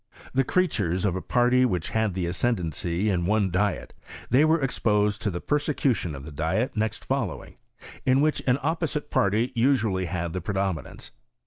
The creatures of a party which had had the ascendancy in one diet, they were exposed to the persecution of the diet next following, in which an opposite party usually had the predominance.